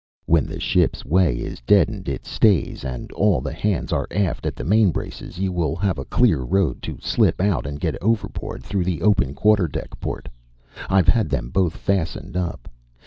When the ship's way is deadened in stays and all the hands are aft at the main braces you will have a clear road to slip out and get overboard through the open quarter deck port. I've had them both fastened up.